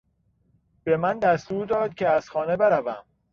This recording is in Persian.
به من دستور داد که از خانه بروم.